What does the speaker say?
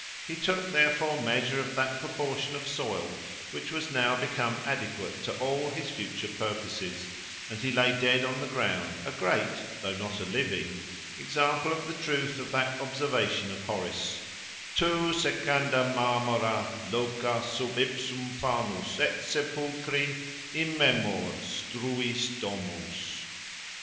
He took, therefore, measure of that proportion of soil which was now become adequate to all his future purposes, and he lay dead on the ground, a great (though not a living) example of the truth of that observation of Horace: _Tu secanda marmora Locas sub ipsum funus; et sepulchri Immemor, struis domos.